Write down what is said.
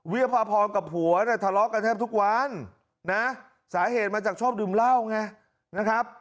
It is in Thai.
ภาพรกับผัวเนี่ยทะเลาะกันแทบทุกวันนะสาเหตุมาจากชอบดื่มเหล้าไงนะครับ